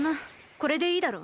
これでいいだろう？